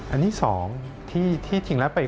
อันนี้๒ที่ทิ้งแล้วไป